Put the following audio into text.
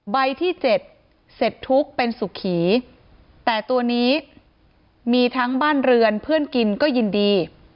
ใบที่๗เสร็จทุกข์เป็นสุขีแต่ตัวนี้มีทั้งบ้านเรือนเพื่อนกินก็ยินดี